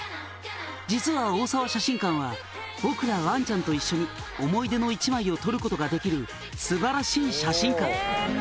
「実は大沢写真館は僕らワンちゃんと一緒に思い出の１枚を撮ることができる素晴らしい写真館」